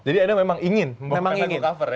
jadi anda memang ingin membawakan lagu cover ya